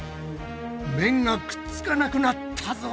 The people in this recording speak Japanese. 麺がくっつかなくなったぞ！